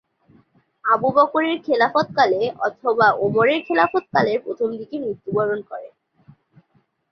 আবু বকর এর খেলাফত কালে অথবা ওমরের খেলাফত কালের প্রথম দিকে মৃত্যুবরণ করেন।